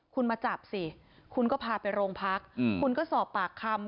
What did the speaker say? คุณมาจับสิคุณก็พาไปโรงพักคุณก็สอบปากคำ